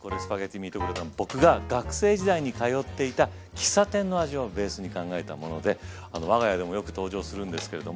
僕が学生時代に通っていた喫茶店の味をベースに考えたもので我が家でもよく登場するんですけれども。